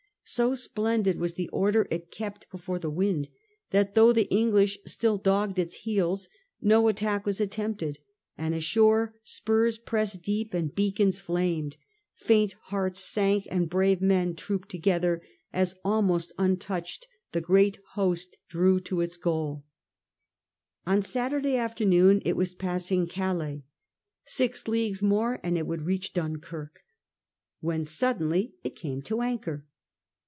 So splendid was the order it kept before the wind, that though the English still dogged its heels, no attack was attempted ; and ashore spurs pressed deep and beacons flamed, faint hearts sank and brave men trooped tOr gether, as almost untouched the great host drew to its goal On Saturday afternoon it was passing Calais — six leagues more and it would reach Dunkirk — when sud denly it came to anchor.